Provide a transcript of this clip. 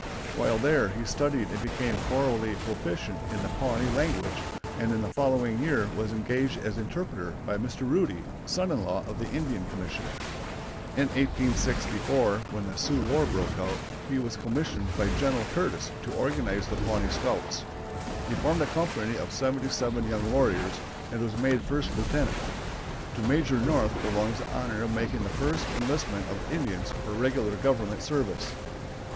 While there he studied and became thoroughly proficient in the Pawnee language, and in the following year was engaged as interpreter by Mr. Rudy, son in law of the Indian Commissioner. In 1864, when the Sioux war broke out, he was commissioned by General Curtis to organize the Pawnee Scouts. He formed a company of seventy seven young warriors, and was made first lieutenant. To Major North belongs the honor of making the first enlistment of Indians for regular Government service.